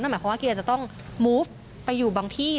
หมายความว่ากรีนจะต้องไปอยู่บางที่